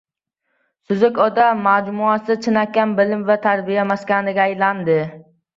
Suzuk ota majmuasi chinakam bilim va tarbiya maskaniga aylandi